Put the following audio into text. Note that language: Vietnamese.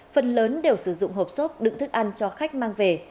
phần lớn đều sử dụng hộp xốp đựng thức ăn cho khách mang về